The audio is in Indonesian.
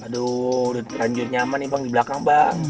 aduh udah teranjur nyaman nih bang di belakang bang